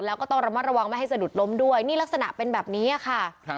แล้วก็ต้องระมัดระวังไม่ให้สะดุดล้มด้วยนี่ลักษณะเป็นแบบนี้ค่ะ